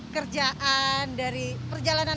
kerjaan dari perjalanan